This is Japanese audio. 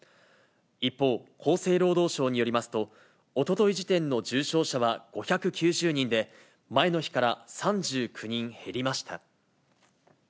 一方、厚生労働省によりますと、おととい時点の重症者は５９０人で、前の日から３９人減りました。